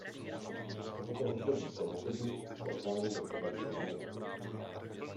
Z tohoto období se na chodníku v portálu dochovaly koleje.